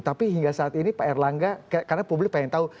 tapi hingga saat ini pak erlangga karena publik pengen tahu